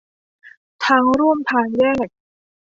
ทางร่วมทางแยก